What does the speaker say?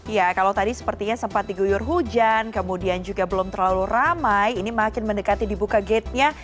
ya kalau tadi sepertinya sempat diguyur hujan kemudian juga belum terlalu ramai ini makin mendekati dibuka gate nya